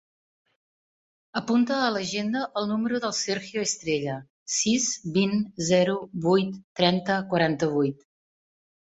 Apunta a l'agenda el número del Sergio Estrella: sis, vint, zero, vuit, trenta, quaranta-vuit.